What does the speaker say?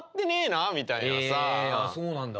ああそうなんだ？